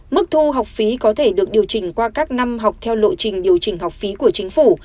mức thu học phí có thể được điều chỉnh qua các năm học theo lộ trình điều chỉnh học phí của chính phủ